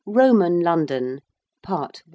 3. ROMAN LONDON. PART I.